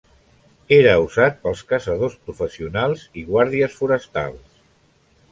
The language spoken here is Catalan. Era usat pels caçadors professionals i guàrdies forestals.